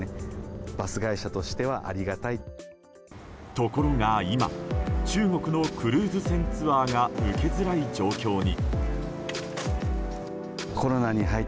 ところが今中国のクルーズ船ツアーが受けづらい状況に。